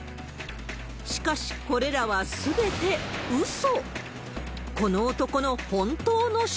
しかし、これらはすべてうそ。